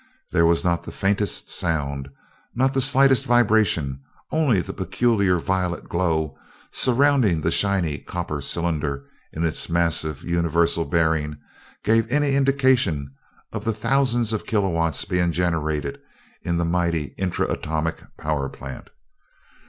There was not the faintest sound, not the slightest vibration only the peculiar violet glow surrounding the shining copper cylinder in its massive universal bearing gave any indication of the thousands of kilowatts being generated in the mighty intra atomic power plant.